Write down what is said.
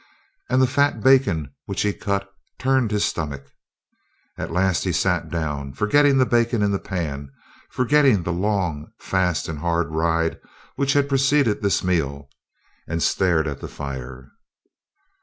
And the fat bacon which he cut turned his stomach. At last he sat down, forgetting the bacon in the pan, forgetting the long fast and the hard ride which had preceded this meal, and stared at the fire.